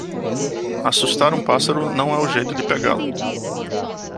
Assustar um pássaro não é o jeito de pegá-lo.